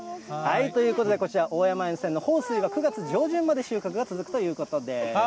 ということで、こちら、大山園さんの豊水は９月上旬まで収穫が続くということです。